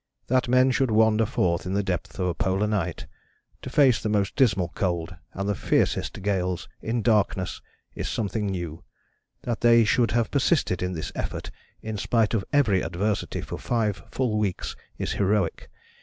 That men should wander forth in the depth of a Polar night to face the most dismal cold and the fiercest gales in darkness is something new; that they should have persisted in this effort in spite of every adversity for five full weeks is heroic.